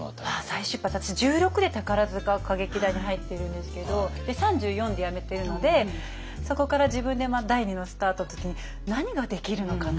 再出発私１６で宝塚歌劇団に入っているんですけど３４で辞めてるのでそこから自分で第２のスタートって時に何ができるのかな？